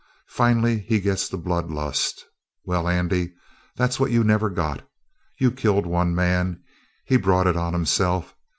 Finally he gets the blood lust. Well, Andy, that's what you never got. You killed one man he brought it on himself.